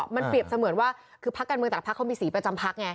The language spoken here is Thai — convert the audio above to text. มันเปรียบเสมือนว่าคือพักการเมืองแต่ละพักเขามีสีประจำพักไง